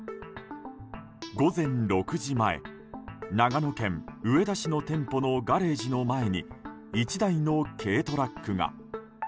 午前６時前、長野県上田市の店舗のガレージの前に１台の軽トラックが。